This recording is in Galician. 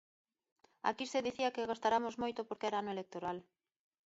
Aquí se dicía que gastaramos moito porque era ano electoral.